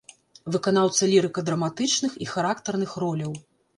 Выканаўца лірыка-драматычных і характарных роляў.